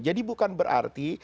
jadi bukan berarti